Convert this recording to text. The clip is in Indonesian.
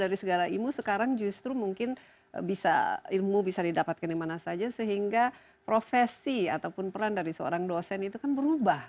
dan dari segala ilmu sekarang justru mungkin ilmu bisa didapatkan dimana saja sehingga profesi ataupun peran dari seorang dosen itu kan berubah